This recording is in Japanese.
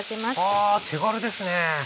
あ手軽ですね。